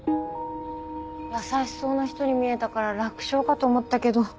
優しそうな人に見えたから楽勝かと思ったけど。